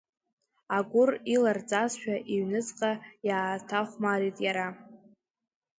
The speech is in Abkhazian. Агәыр иларҵазшәа иҩныҵҟа иааҭахәмарит иара.